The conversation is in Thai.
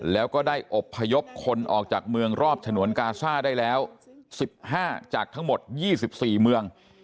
แล้วก็ได้อบพยพคนออกจากเมืองรอบฉนวนกาซ่าได้แล้ว๑๕จากทั้งหมด๒๔เมือง